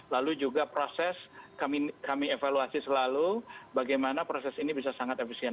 lalu juga proses kami evaluasi selalu bagaimana proses ini bisa sangat efisien